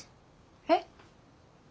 えっ？